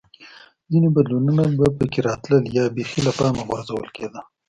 ځیني بدلونونه به په کې راتلل یا بېخي له پامه غورځول کېده